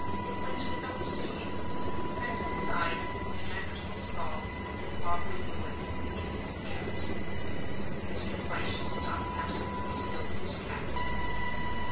It went without saying. As beside the Neanderthal skull and the Bimbaweh ruins it didn't count. Mr. Fyshe stopped absolutely still in his tracks.